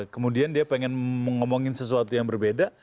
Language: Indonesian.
kemudian dia pengen mengomongin sesuatu yang berbeda